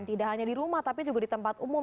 tidak hanya di rumah tapi juga di tempat umum